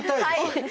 はい！